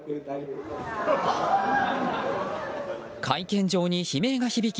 会見場に悲鳴が響き